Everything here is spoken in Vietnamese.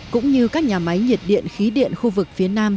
cũng như các nhà máy nhiệt điện khí điện khu vực phía nam